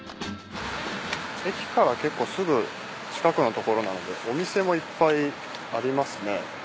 駅から結構すぐ近くのところなのでお店もいっぱいありますね。